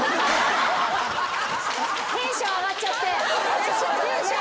テンション上がっちゃって。